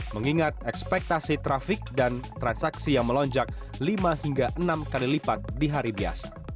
mengingat ekspektasi trafik dan transaksi yang melonjak lima hingga enam kali lipat di hari biasa